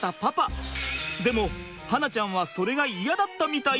でも巴梛ちゃんはそれが嫌だったみたい。